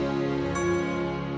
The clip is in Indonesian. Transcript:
ya allah gosong